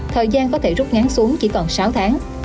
thời gian có thể rút ngắn xuống chỉ còn sáu tháng